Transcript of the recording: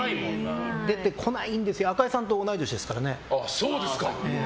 出てこないんですよ赤井さんと同い年ですから。